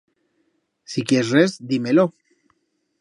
Si quiers res, di-me-lo.